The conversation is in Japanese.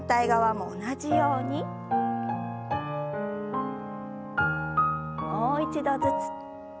もう一度ずつ。